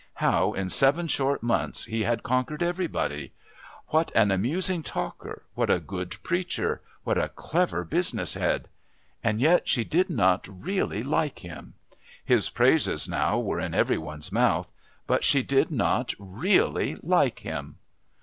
How, in seven short months, he had conquered everybody! What an amusing talker, what a good preacher, what a clever business head! And yet she did not really like him. His praises now were in every one's mouth, but she did not really like him.